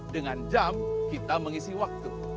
dengan jam kita mengisi waktu